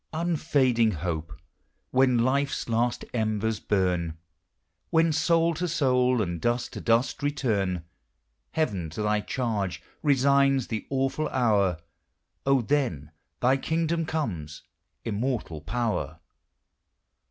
* Unfading Hope! when life's last embers burn, When soul to soul, and dust to dusl return! Heaven to tli v charge resigns the awful hour! <), then thy kingdom comes! Immortal Power!